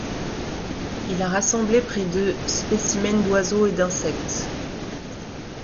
Il a rassemblé près de spécimens d'oiseaux et d'insectes.